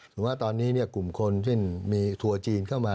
ผมว่าตอนนี้กลุ่มคนซึ่งมีทัวร์จีนเข้ามา